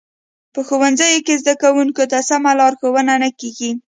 په ښوونځیو کې زده کوونکو ته سمه لارښوونه نه کیږي